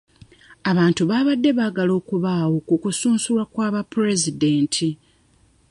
Abantu baabadde baagala okubaawo ku kusunsulwa kwa ba pulezidenti.